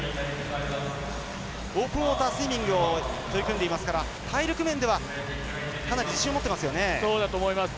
オープンウォータースイミングを取り組んでいますから体力面ではかなり自信を持っていますよね。